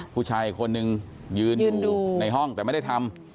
ผู้ชายคนหนึ่งยืนดูในห้องแต่ไม่ได้ทำ